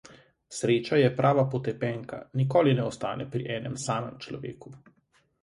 Sreča je prava potepenka; nikoli ne ostane pri enem samem človeku.